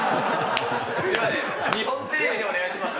すみません、日本テレビでお願いします。